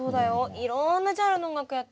いろんなジャンルの音楽やってるんだもん。